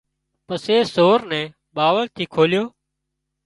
پسي سور نين ٻاوۯ ٿي کوليو